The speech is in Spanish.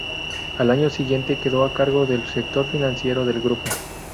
Al año siguiente quedó a cargo del sector financiero del grupo.